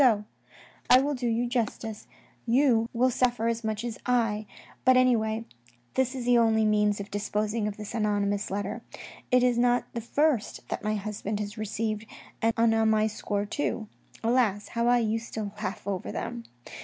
Go, I will do you justice, you will suffer 126 THE RED AND THE BLACK as much as I, but anyway, this is the only means of disposing of this anonymous letter. It is not the first that my husband has received, and on my score too. Alas ! how I used to laugh over them